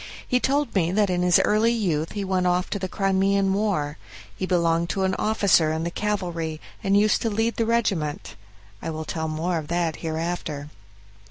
He told me that in his early youth he went to the Crimean War; he belonged to an officer in the cavalry, and used to lead the regiment. I will tell more of that hereafter.